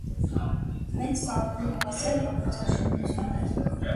Մեծ ծավալի է հասել դպրոցաշինությունը։